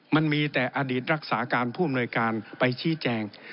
มันมีแต่อดีตรักษาการผู้อำนวยการไปชี้แจง